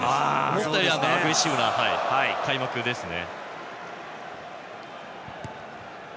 思ったよりもアグレッシブな開幕戦ですね。